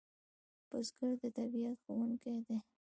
بزګر د طبیعت ښوونکی دی